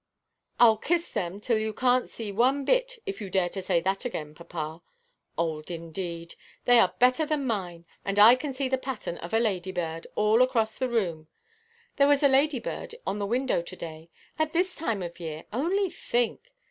"Iʼll kiss them till you canʼt see one bit, if you dare to say that again, papa. Old, indeed! They are better than mine. And I can see the pattern of a lady–bird, all across the room. There was a lady–bird on the window to–day. At this time of year, only think!